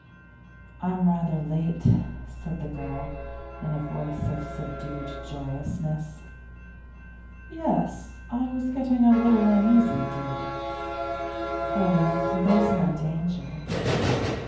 'I'm rather late,' said the girl, in a voice of subdued joyousness. 'Yes; I was getting a little uneasy, dear.' 'Oh, there's no danger.